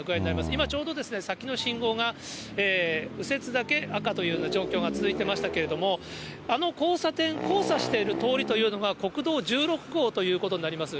今、ちょうど先の信号が、右折だけ赤という状況が続いてましたけれども、あの交差点、交差している通りというのが国道１６号ということになります。